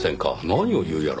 何を言うやら。